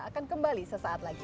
akan kembali sesaat lagi